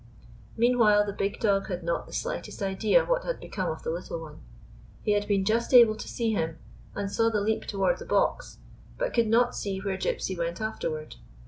Meanwhile the big dog had not the slightest idea what had become of the little one. He had been just able to see him, and saw the leap toward the box, but could not see where Gypsy went afterward.